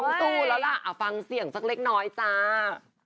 สู้แล้วล่ะเอาฟังเสียงสักเล็กน้อยจ้า